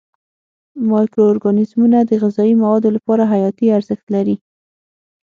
مایکرو ارګانیزمونه د غذایي موادو لپاره حیاتي ارزښت لري.